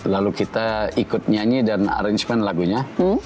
lalu kita ikut nyanyi dan arrangement lagunya